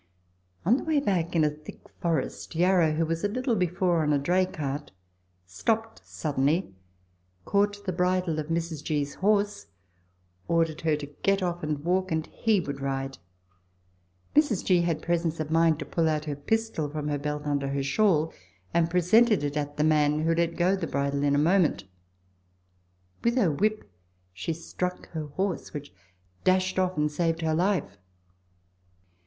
On the way back, in a thick forest, Yarra, who was a little before on a dray track, stopped suddenly, caught the bridle of Mrs. G.'s horse, ordered her to Letters from Victorian Pioneers. 29 get off and walk and he would ride. Mrs. G. had presence of mind to pull out her pistol from her belt under her shawl, and presented it at the man, who let go the bridle in a moment. With her whip she struck her horse, which dashed off, and saved her life.